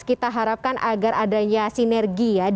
kita harapkan agar adanya sinergi ya